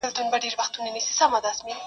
چي د ژوند پیکه رنګونه زرغونه سي,